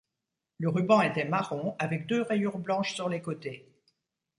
Le ruban était marron avec deux rayures blanches sur les côtés.